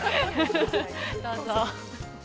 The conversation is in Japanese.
どうぞ。